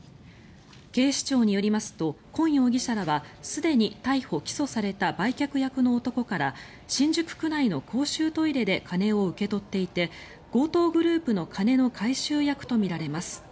警視庁によりますとコン容疑者らはすでに逮捕・起訴された売却役の男から新宿区内の公衆トイレで金を受け取っていて強盗グループの金の回収役とみられます。